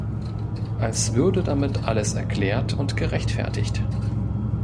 Als würde damit alles erklärt und gerechtfertigt.